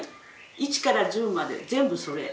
一から十まで全部それ。